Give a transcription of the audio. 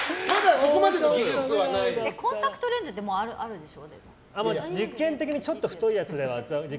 コンタクトレンズってもうあるでしょ。